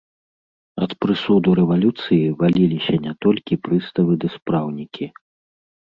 Ад прысуду рэвалюцыі валіліся не толькі прыставы ды спраўнікі.